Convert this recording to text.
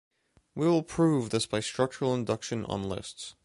We will prove this by structural induction on lists.